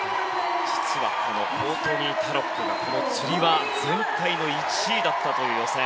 実はコートニー・タロックがつり輪全体の１位だったという予選。